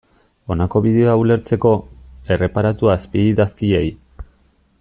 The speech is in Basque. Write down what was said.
Honako bideoa ulertzeko, erreparatu azpiidazkiei.